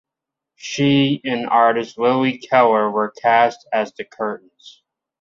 She and artist Lilly Keller were cast as the curtains.